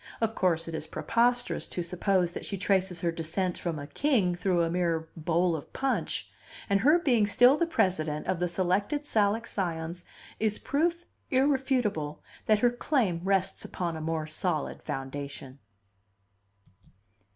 Of course it is preposterous to suppose that she traces her descent from a king through a mere bowl of punch, and her being still the president of the Selected Salic Scions is proof irrefutable that her claim rests upon a more solid foundation.